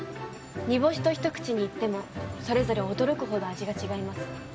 煮干しと一口に言ってもそれぞれ驚くほど味が違います。